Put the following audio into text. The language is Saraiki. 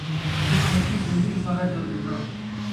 ہک مچھی گن٘دی ، سارا ڄل گن٘دا